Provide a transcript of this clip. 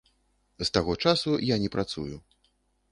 З таго часу я не працую.